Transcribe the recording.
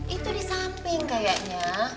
itu di samping kayaknya